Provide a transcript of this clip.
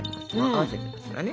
合わせてますからね。